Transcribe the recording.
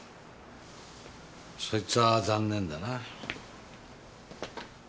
そいつは残念だな。